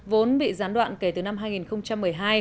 vốn bị gián đoạn kể từ năm hai nghìn một mươi hai